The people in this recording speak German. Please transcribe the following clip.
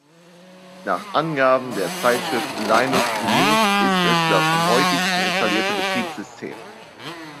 Nach Angaben der Zeitschrift Linux News ist es das am häufigsten installierte Betriebssystem.